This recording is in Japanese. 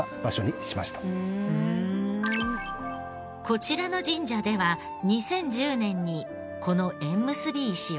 こちらの神社では２０１０年にこの縁結び石を設置。